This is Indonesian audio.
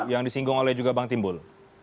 yang disinggung oleh juga bang timbul